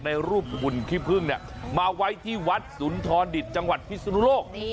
ในรูปหุ่นขี้พึ่งเนี่ยมาไว้ที่วัดสุนทรดิตจังหวัดพิศนุโลก